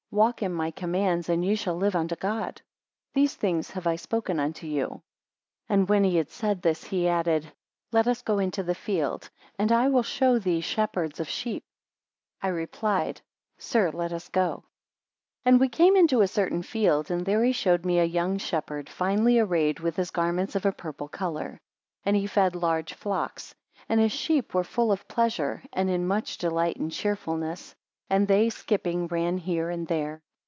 Walk in my commands, and ye shall live unto God: These things have I spoken unto you. 7 And when he, had said this, he added; let us go into the field, and I will show thee shepherds of sheep. I replied, sir, let us go. 8 And we came into a certain field, and there he showed me a young shepherd, finely arrayed, with his garments of a purple colour. And he fed large flocks; and his sheep were full of pleasure, and in much delight and cheerfulness; and they skipping, ran here and there.